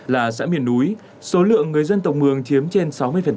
là xã miền núi số lượng người dân tộc mường chiếm trên sáu mươi